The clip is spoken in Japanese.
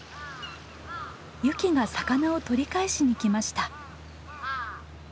ユキが魚を取り返しに来ました。